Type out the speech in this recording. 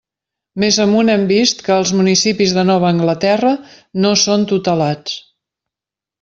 Més amunt hem vist que els municipis de Nova Anglaterra no són tutelats.